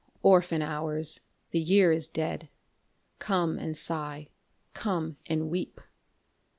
Orphan Hours, the Year is dead, Come and sigh, come and weep!